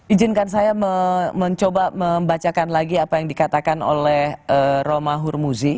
ijinkan saya mencoba membacakan lagi apa yang dikatakan oleh roma hurmuzi